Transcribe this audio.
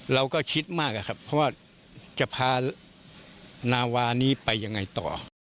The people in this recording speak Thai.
เราก็คิดมากอะครับเพราะว่าจะพานาวานี้ไปยังไงต่อ